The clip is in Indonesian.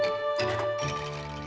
zaman dari fb nya